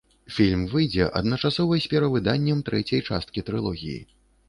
Фільм выйдзе адначасова з перавыданнем трэцяй часткі трылогіі.